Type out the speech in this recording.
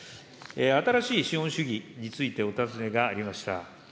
新しい資本主義についてお尋ねがありました。